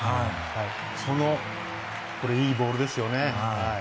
そのこれいいボールですよね。